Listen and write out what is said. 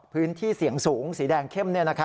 พื้นที่เสี่ยงสูงสีแดงเข้ม